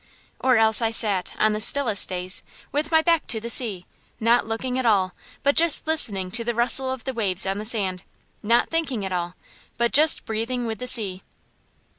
Or else I sat, on the stillest days, with my back to the sea, not looking at all, but just listening to the rustle of the waves on the sand; not thinking at all, but just breathing with the sea.